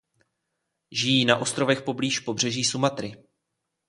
Žijí na ostrovech poblíž pobřeží Sumatry.